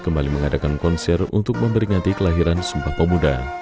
kembali mengadakan konser untuk memberi ngati kelahiran sumpah pemuda